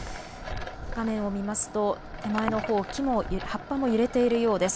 画面を見ますと手前のほう、葉っぱも揺れているようです。